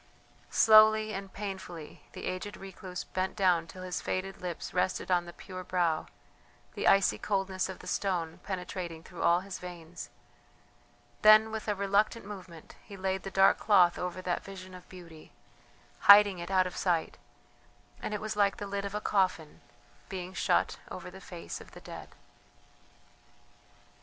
Slowly and painfully the aged recluse bent down till his faded lips rested on the pure brow, the icy coldness of the stone penetrating through all his veins then with a reluctant movement he laid the dark cloth over that vision of beauty, hiding it out of sight; and it was like the lid of a coffin being shut over the face of the dead.